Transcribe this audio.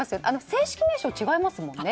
正式名称は違いますもんね。